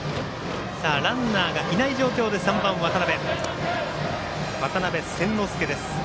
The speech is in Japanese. ランナーがいない状況で３番、渡邉千之亮です。